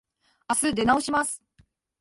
あす出直します。